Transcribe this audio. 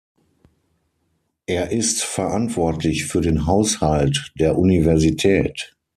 Er ist verantwortlich für den Haushalt der Universität.